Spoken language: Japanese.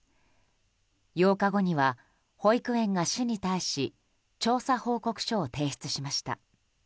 ８日後には、保育園が市に対し調査報告書を提出しました。